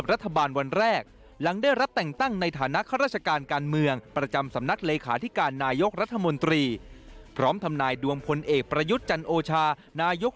จอบประเด็นจากรอยงานครับ